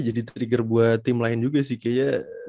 jadi trigger buat tim lain juga sih kayaknya